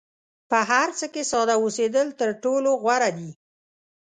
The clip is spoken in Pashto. په هر څه کې ساده اوسېدل تر ټولو غوره دي.